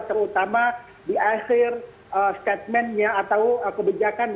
terutama di akhir statementnya atau kebijakan